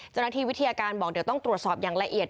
เจ้าหน้าที่วิทยาการบอกเดี๋ยวต้องตรวจสอบอย่างละเอียด